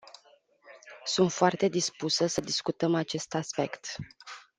Sunt foarte dispusă să discutăm acest aspect.